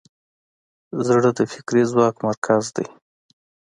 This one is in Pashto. زړه د فکري ځواک مرکز دی.